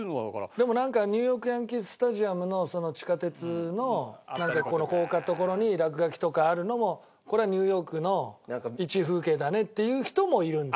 でもなんかニューヨーク・ヤンキーススタジアムの地下鉄のなんか高架の所に落書きとかあるのもこれはニューヨークのいち風景だねって言う人もいるんだよ。